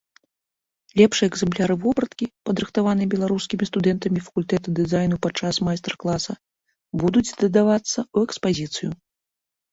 Лепшыя экземпляры вопраткі, падрыхтаваныя беларускімі студэнтамі факультэта дызайну падчас майстар-класа, будуць дадавацца ў экспазіцыю.